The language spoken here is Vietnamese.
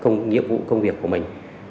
nhiệm vụ công việc của mình